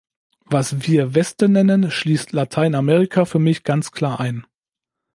Was wir Westen nennen, schließt Lateinamerika für mich ganz klar ein.